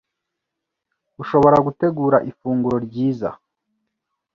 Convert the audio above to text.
ushobora gutegura ifunguro ryiza